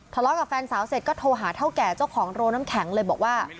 ทะเลาะกับแฟนสาวเสร็จก็โทรหาเท่าแก่เจ้าของโรงน้ำแข็งเลยบอกว่า